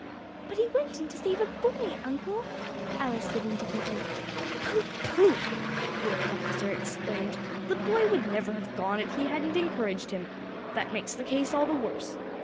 "But he went in to save a boy, uncle," Alice said indignantly. "Pooh, pooh!" the old officer exclaimed, "the boy would never have gone in if he hadn't encouraged him. That makes the case all the worse.